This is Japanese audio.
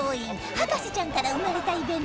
『博士ちゃん』から生まれたイベント